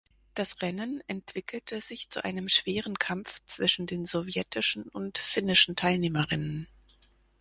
Das Rennen entwickelte sich zu einem schweren Kampf zwischen den sowjetischen und finnischen Teilnehmerinnen.